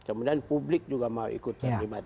kemudian publik juga mau ikut terlibat